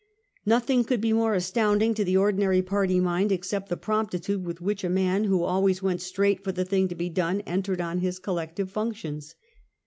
Nothing could he more astounding to the ordinary party mind, except the promptitude with which a man who always went straight for the thing to be done entered on his collective functions.